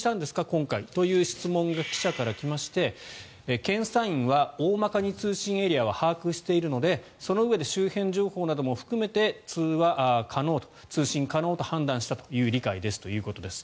今回という質問が記者から来まして検査員は大まかに通信エリアは把握しているのでそのうえで周辺情報なども含めて通話可能、通信可能と理解しているということです。